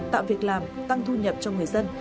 tạo việc làm tăng thu nhập cho người dân